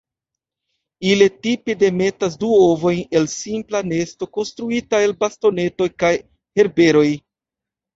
Ili tipe demetas du ovojn en simpla nesto konstruita el bastonetoj kaj herberoj.